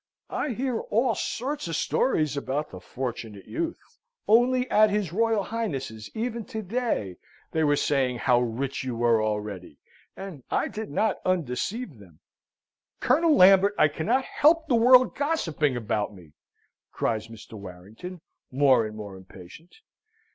I hear all sorts of stories about the Fortunate Youth. Only at his Royal Highness's even today, they were saying how rich you were already, and I did not undeceive them " "Colonel Lambert, I cannot help the world gossiping about me!" cries Mr. Warrington, more and more impatient.